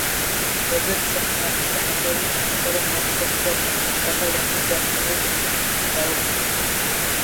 Gazeti la mwana Afrika Mashariki limepata taarifa kuwa Kenya na Uganda walikataa uamuzi wa zoezi la uhakiki.